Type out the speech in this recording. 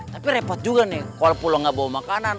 tapi repot juga nih kalau pulau nggak bawa makanan